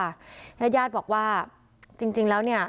อาจย่าบอกว่าจริงจริงแล้วเนี้ย